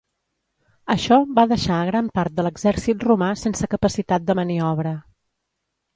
Això va deixar a gran part de l'exèrcit romà sense capacitat de maniobra.